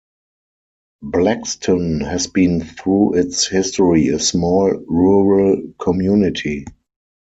Blaxton has been through its history a small rural community.